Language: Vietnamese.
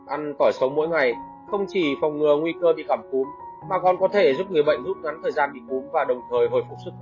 ăn tỏi sống mỗi ngày không chỉ phòng ngừa nguy cơ bị cảm cúm mà còn có thể giúp người bệnh lúc ngắn thời gian bị cúm và đồng thời hồi phục sức khỏe nhanh hơn